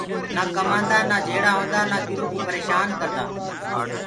نآ ڪمآندآ نآ جھيڙآ هوندآ نآ ڪروڪوُ پريشآن ڪردآ